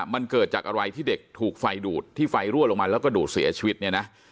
มันเกิดจากอะไรที่เด็กถูกไฟดูดที่ไฟรั่วลงมาแล้วก็ดูดเสียชีวิตเนี่ยนะ